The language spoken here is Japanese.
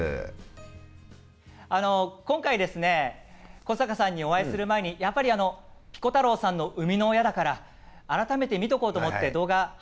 今回ですね古坂さんにお会いする前にやっぱりピコ太郎さんの生みの親だから改めて見とこうと思って動画拝見したんですけども。